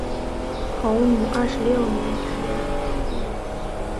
洪武二十六年举人。